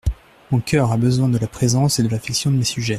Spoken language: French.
Mon cœur a besoin de la présence et de l'affection de mes sujets.